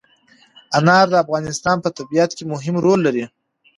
انار د افغانستان په طبیعت کې مهم رول لري.